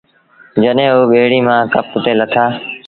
جڏهيݩٚ اوٚ ٻيڙيٚ مآݩٚ ڪپ تي لٿآ